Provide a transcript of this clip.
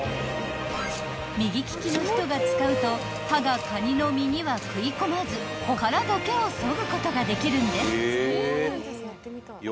［右利きの人が使うと刃がカニの身には食い込まず殻だけをそぐことができるんです］